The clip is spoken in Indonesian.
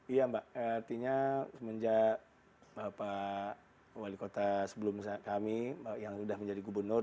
iya mbak artinya semenjak bapak wali kota sebelum kami yang sudah menjadi gubernur